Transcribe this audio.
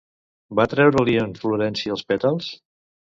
Va treure-li en Florenci els pètals?